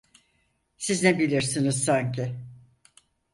Siz ne bilirsiniz sanki?